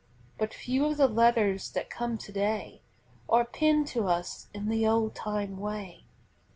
But few of the letters that come to day Are penned to us in the old time way.